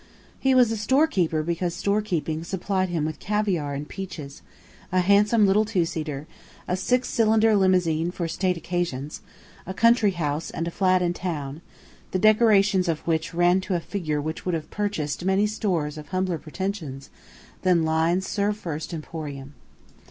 He was a store keeper because store keeping supplied him with caviare and peaches, a handsome little two seater, a six cylinder limousine for state occasions, a country house and a flat in town, the decorations of which ran to a figure which would have purchased many stores of humbler pretensions than Lyne's Serve First Emporium.